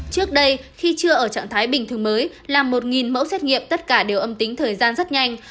trước đây khi chưa ở trạng thái bình thường mới là một mẫu xét nghiệm tất cả đều âm tính thời gian rất nhanh